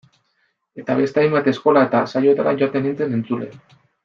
Eta beste hainbat eskola eta saiotara joaten nintzen, entzule.